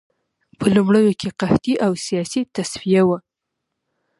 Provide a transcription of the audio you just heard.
په لومړیو کې قحطي او سیاسي تصفیه وه